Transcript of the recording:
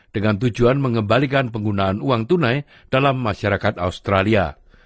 dengan tujuan mengembalikan penggunaan uang tunai dalam masyarakat australia